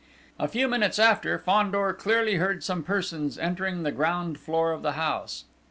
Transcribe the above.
A few minutes after, Fandor clearly heard some persons entering the ground floor of the house.